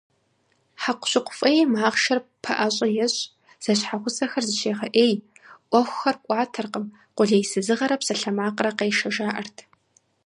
Хьэкъущыкъу фӀейм ахъшэр ппэӀэщӀэ ещӀ, зэщхьэгъусэхэр зыщегъэӀей, Ӏуэхухэр кӀуатэркъым, къулейсызыгъэрэ псалъэмакърэ къешэ жаӏэрт.